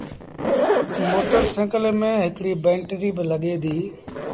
موٽر سآئيٚڪل ميݩ هڪڙيٚ بئيٽريٚ با لڳي ديٚ۔